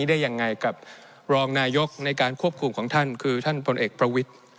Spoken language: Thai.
กับรองนายกรัฐมนตรีในการควบคุมของท่านคือท่านผลเอกประวิทย์